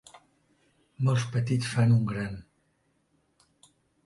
Molts petits fan un gran.